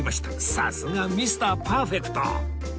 さすがミスターパーフェクト！